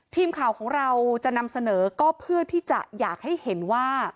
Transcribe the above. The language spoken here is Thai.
ทีมข่าวของเราจะนำเสนอก็เพื่อที่จะอยากให้เห็นว่า